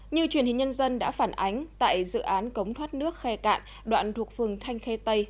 như truyền hình nhân dân đã phản ánh tại dự án cống thoát nước khe cạn đoạn thuộc phường thanh khê tây